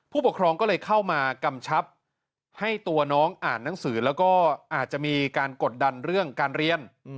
ผู้ปกครองก็เลยเข้ามากำชับให้ตัวน้องอ่านหนังสือแล้วก็อาจจะมีการกดดันเรื่องการเรียน